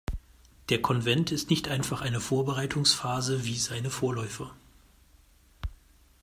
Der Konvent ist nicht einfach eine Vorbereitungsphase wie seine Vorläufer.